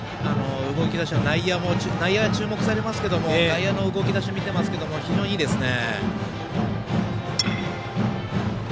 内野が注目されますけれども外野の動き出し見ていますけども非常にいいですね。